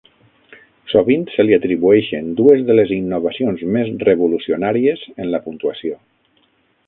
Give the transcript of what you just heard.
Sovint se li atribueixen dues de les innovacions més revolucionàries en la puntuació.